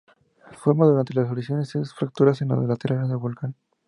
Se forma durante erupciones en fracturas en los laterales del volcán.